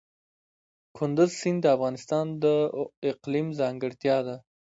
کندز سیند د افغانستان د اقلیم ځانګړتیا ده.